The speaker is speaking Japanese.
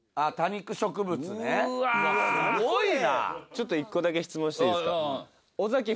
ちょっと１個だけ質問していいですか？